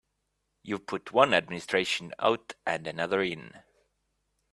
You've put one administration out and another in.